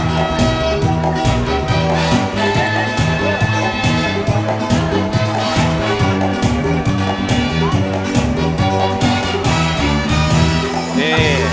นี่แม่